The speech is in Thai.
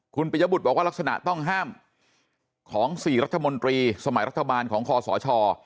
คุณปิยบุตรบอกว่าลักษณะต้องห้ามของ๔รัฐมนตรีสมัยรัฐบาลของคอสช